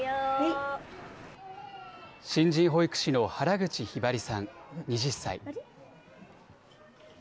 新人保育士の原口ひばりさん２０歳。